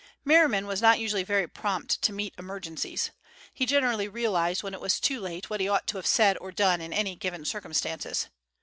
Merriman was not usually very prompt to meet emergencies. He generally realized when it was too late what he ought to have said or done in any given circumstances.